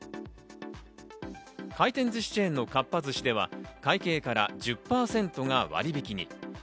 回転ずしチェーンのかっぱ寿司では会計から１０％が割引に。